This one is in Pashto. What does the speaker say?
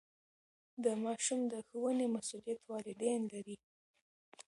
د ماشوم د ښوونې مسئولیت والدین لري.